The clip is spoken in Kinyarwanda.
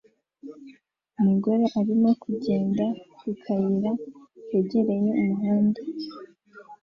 Umugore arimo kugenda ku kayira kegereye umuhanda